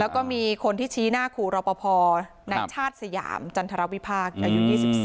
แล้วก็มีคนที่ชี้หน้าขู่รอปภในชาติสยามจันทรวิพากษ์อายุ๒๔